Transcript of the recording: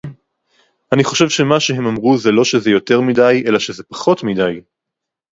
אני חושב שמה שהם אמרו זה לא שזה יותר מדי אלה שזה פחות מדי